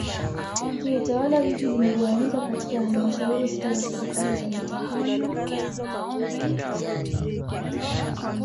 Kiutawala Jiji limegawanyika katika Halmashauri sita za Serikali za mitaa